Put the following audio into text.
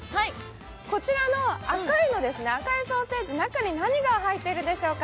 こちらの赤いソーセージは中に何が入っているでしょうか。